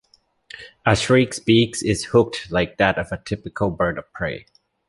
A shrike's beak is hooked, like that of a typical bird of prey.